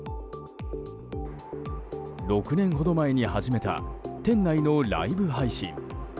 ６年ほど前に始めた店内のライブ配信。